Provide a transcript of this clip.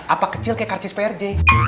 apa kecil kayak karcis prj